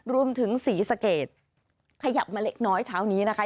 รวมถึงศรีสเกตขยับมาเล็กน้อยเช้านี้นะคะ